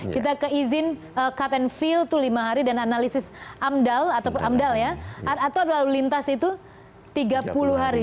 kita ke izin cut and fill itu lima hari dan analisis amdal atau lalu lintas itu tiga puluh hari